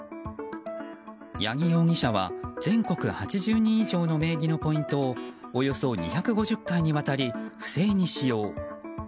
八木容疑者は全国８０人以上の名義のポイントをおよそ２５０回にわたり不正に使用。